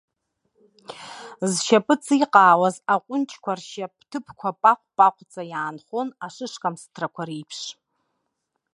Зшьапы ҵиҟаауаз аҟәынџьқәа, ршьап ҭыԥқәа паҟә-паҟәӡа иаанхон, ашышкамс ҭрақәа реиԥш.